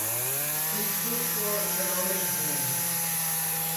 See Post-war economic boom.